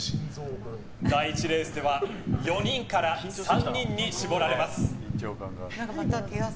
第１レースでは４人から３人に絞られます。